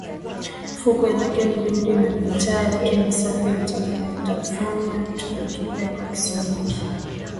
Fukwe zake nzuri na mitaa yake misafi itakufanya tu ukipende kisiwa hiki